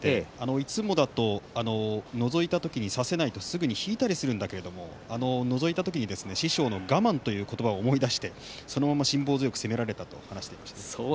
いつもだとのぞいた時に差せないとすぐに引いたりするんだけれどのぞいた時に師匠の我慢という言葉を思い出してそのまま辛抱強く攻められたと話していました。